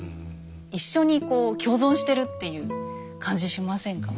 一緒にこう共存してるっていう感じしませんか？